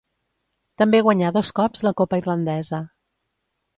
També guanyà dos cops la copa irlandesa.